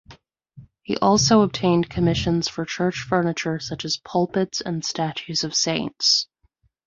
He also obtained commissions for church furniture such as pulpits and statues of saints.